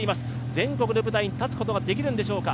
全国の舞台に立つことはできるのでしょうか。